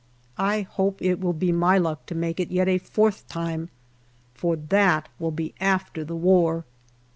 I hope it will be my luck to make it yet a fourth time, for that will be after the war.